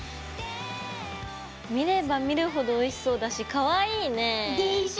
見れば見るほどおいしそうだしかわいいね。でしょ。